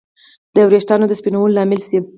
د ویښتانو د سپینوالي لامل شي